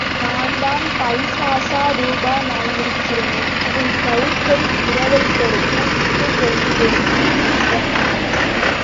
நான் தான் பைசாச ரூபமாயிருக்கிறேனே உன் கழுத்தை இரவல் கொடு தூக்கிட்டுக் கொள்ளுகிறேன்! என்றனன்.